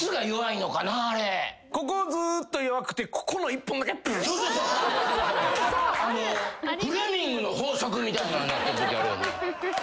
ここずっと弱くてここの１本だけビーッ！